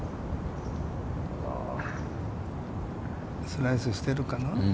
スライスしているかな。